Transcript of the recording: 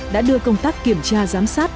đã đưa công tác kiểm tra giám sát